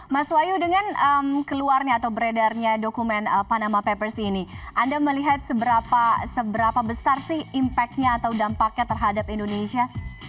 mas wahyu dengan keluarnya atau beredarnya dokumen panama papers ini anda melihat seberapa besar sih impact nya atau dampaknya terhadap indonesia